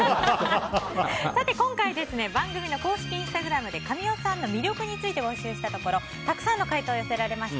さて、今回番組の公式インスタグラムで神尾さんの魅力について募集したところたくさんの回答が寄せられました。